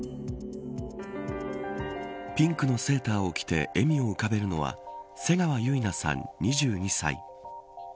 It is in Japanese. ピンクのセーターを着て笑みを浮かべるのは瀬川結菜さん２２歳。